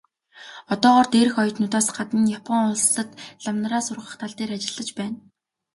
Одоогоор дээрх орнуудаас гадна Япон улсад лам нараа сургах тал дээр ажиллаж байна.